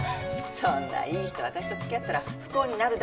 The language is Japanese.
そんないい人私とつきあったら不幸になるだけ。